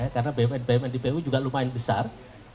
karena bnbp di pu juga lumayan besar